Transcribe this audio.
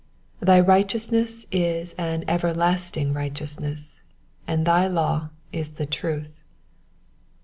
142 Thy righteousness is an everlasting righteousness, and thy law is the truth.